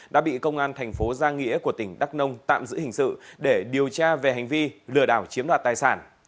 đã bị công an thành phố giang nghĩa của tỉnh đắk nông tạm giữ hình sự để điều tra về hành vi lừa đảo chiếm đoạt tài sản